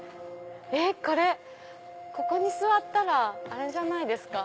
これここに座ったらあれじゃないですか？